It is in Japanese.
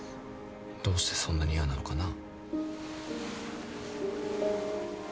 どうしてそんなに嫌なのかな？